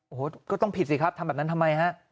โอ้โหก็ต้องผิดสิครับทำแบบนั้นทำไมฮะ